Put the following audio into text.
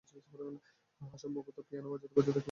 হ্যাঁ, সম্ভবত পিয়ানো বাজাতে বাজাতে ক্লান্ত হয়ে পড়েছে ও।